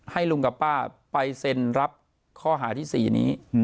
ให้ลุงกับป้าไปเซ็นรับข้อหาที่๔นี้